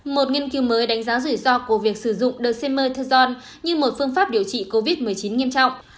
một nghiên cứu mới đánh giá rủi ro của việc sử dụng demer tejon như một phương pháp điều trị covid một mươi chín nghiêm trọng